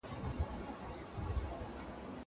بېرېږمه له بخته چي اوس ویښ دی که بیده